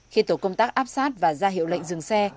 khi tổ công tác áp sát và ra hiệu lệnh dừng xe